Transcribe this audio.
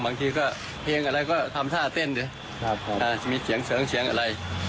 บางทีก็เพลงอะไรก็ทำท่าเต้นดิมีเสียงเสริงเสียงอะไร